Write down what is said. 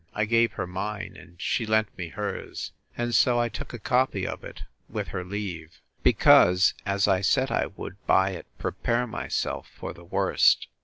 I gave her mine, and she lent me hers: and so I took a copy of it, with her leave; because, as I said I would, by it, prepare myself for the worst.